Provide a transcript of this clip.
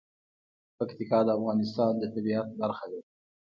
پکتیکا د افغانستان د طبیعت برخه ده.